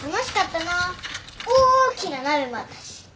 大きな鍋もあったし。